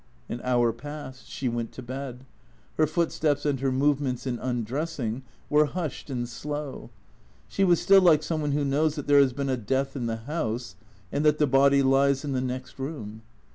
An hour passed. She went to bed. Her footsteps and her movements in undressing were hushed and slow. She was stiU like some one who knows that there has been a death in the house and that the body lies in the next room.